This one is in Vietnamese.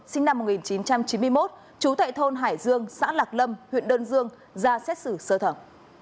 sinh năm một nghìn chín trăm chín mươi một trú tại thôn hải dương xã lạc lâm huyện đơn dương ra xét xử sơ thẩm